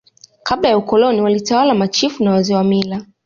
Kabla ya Ukoloni walitawala Machifu na Wazee wa mila